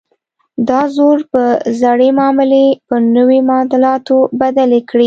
دا زور به زړې معاملې په نویو معادلاتو بدلې کړي.